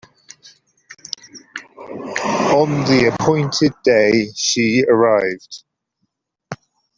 On the appointed day she arrived.